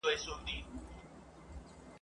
له ظالمه به مظلوم ساتل کېدلای ..